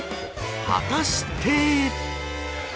果たして。